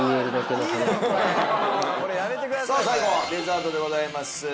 さあ最後はデザートでございます